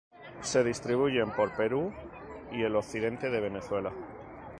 Se distribuyen por Perú y el occidente de Venezuela.